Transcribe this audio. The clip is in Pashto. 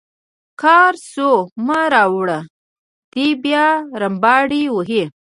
کارسو مه راوړه دی بیا رمباړې وهي.